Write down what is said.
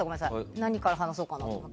何から話そうかなと思って。